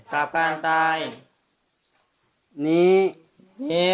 ข้าพเจ้านางสาวสุภัณฑ์หลาโภ